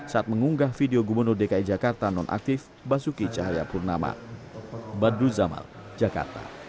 saat mengunggah video gubernur dki jakarta nonaktif basuki cahayapurnama